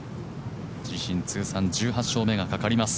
自身通算１８勝目がかかります。